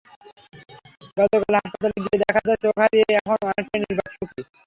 গতকাল হাসপাতালে গিয়ে দেখা যায়, চোখ হারিয়ে এখন অনেকটাই নির্বাক সুখী।